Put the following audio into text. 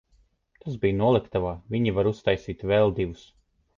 Tas bija noliktavā, viņi var uztaisīt vēl divus.